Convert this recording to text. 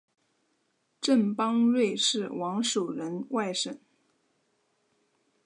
郑邦瑞是王守仁外甥。